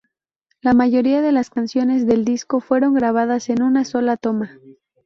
La mayoría de las canciones del disco fueron grabadas en una sola toma.